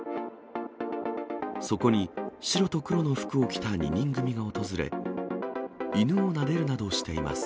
そこに、白と黒の服を着た２人組が訪れ、犬をなでるなどしています。